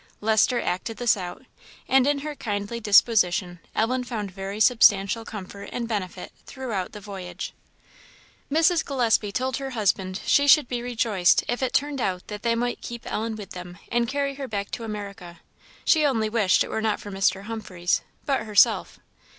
Lester acted this out; and in her kindly disposition Ellen found very substantial comfort and benefit throughout the voyage. Mrs. Gillespie told her husband she should be rejoiced if it turned out that they might keep Ellen with them and carry her back to America; she only wished it were not for Mr. Humphreys, but herself.